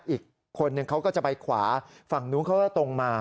อีกคนนึงเขาก็จะไปขวาฝั่งนู้นเขาก็ตรงมา